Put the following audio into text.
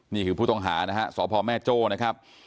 ผู้ต้องหานะฮะสพแม่โจ้นะครับ